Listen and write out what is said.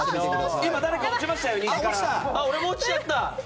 俺も落ちちゃった。